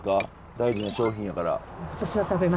大事な商品やから。